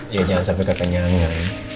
ya jangan sampai kekenyangan